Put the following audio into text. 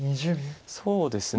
そうですね。